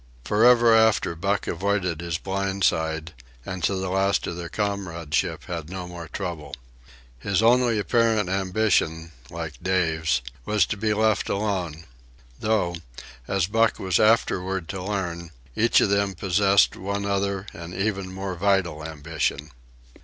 Forever after Buck avoided his blind side, and to the last of their comradeship had no more trouble. His only apparent ambition, like Dave's, was to be left alone; though, as Buck was afterward to learn, each of them possessed one other and even more vital ambition.